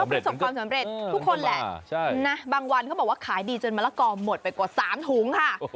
ประสบความสำเร็จทุกคนแหละบางวันเขาบอกว่าขายดีจนมะละกอหมดไปกว่า๓ถุงค่ะ